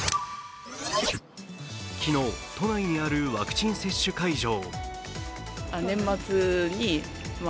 昨日、都内にあるワクチン接種会場。